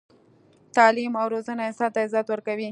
تعلیم او روزنه انسان ته عزت ورکوي.